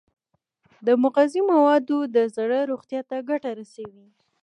مغذي مواد د زړه روغتیا ته ګټه رسوي.